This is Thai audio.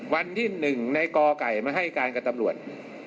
วันที่๑ในกไก่มาให้การกับตำรวจ